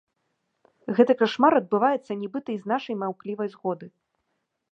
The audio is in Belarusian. Гэты кашмар адбываецца нібыта і з нашай маўклівай згоды.